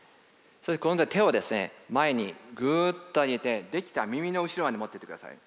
そして今度は手を前にぐっと上げてできたら耳の後ろまで持っていってください。